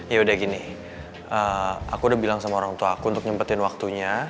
ya udah gini aku udah bilang sama orang tua aku untuk nyempetin waktunya